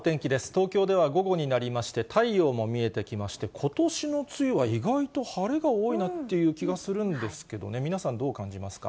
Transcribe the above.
東京では午後になりまして、太陽も見えてきまして、ことしの梅雨は、意外と晴れが多いなっていう気がするんですけどね、皆さんどう感じますか？